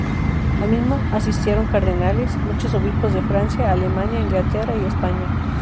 Al mismo, asistieron Cardenales, muchos Obispos de Francia, Alemania, Inglaterra y España.